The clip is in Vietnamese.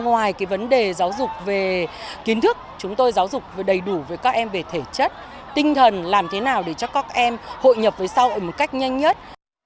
giáo dục về kiến thức chúng tôi giáo dục đầy đủ về các em về thể chất tinh thần làm thế nào để cho các em hội nhập với sau ở một cách nhanh nhất